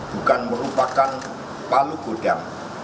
bukan merupakan palu godang